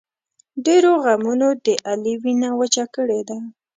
ډېرو غمونو د علي وینه وچه کړې ده.